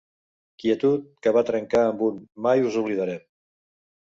Quietud que va trencar amb un ‘mai us oblidarem’.